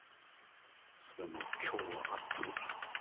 それも今日わかったのだ。